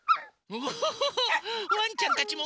ワンちゃんたちも？